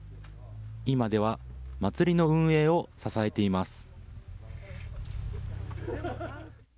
今では、祭りの運営を支えています。